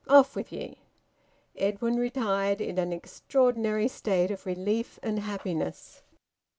Off with ye!" Edwin retired in an extraordinary state of relief and happiness.